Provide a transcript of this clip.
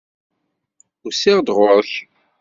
Usiɣ-d ɣur-k.